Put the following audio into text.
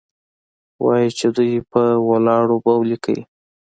وايي چې دوى په ولاړو بول كيې؟